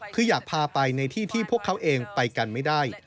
คืออยากพาไปในที่ที่พวกเขาเองไปกันไม่ได้